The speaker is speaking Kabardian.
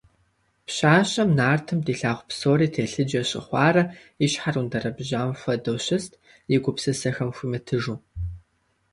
Пщащэм нартым дилъагъу псори телъыджэ щыхъуарэ и щхьэр ундэрэбжьам хуэдэу щыст, и гупсысэхэм хуимытыжу.